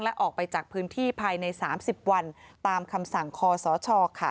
และออกไปจากพื้นที่ภายใน๓๐วันตามคำสั่งคอสช